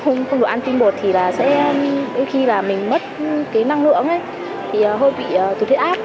nhưng mà không được ăn tinh bột thì đôi khi mình mất năng lượng hơi bị từ thiết áp